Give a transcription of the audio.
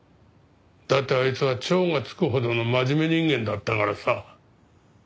だってあいつは超が付くほどの真面目人間だったからさ。